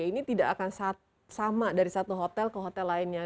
ini tidak akan sama dari satu hotel ke hotel lainnya